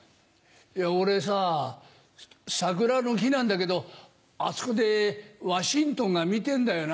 俺さサクラの木なんだけどあそこでワシントンが見てんだよな。